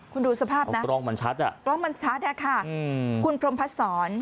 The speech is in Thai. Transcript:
คุณดูสภาพนะกล้องมันชัดอ่ะค่ะคุณพรมพัฒน์สอน